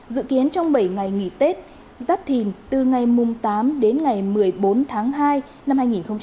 dự kiến trong bảy ngày nghỉ tết giáp thìn từ ngày tám đến ngày một mươi bốn tháng hai năm hai nghìn hai mươi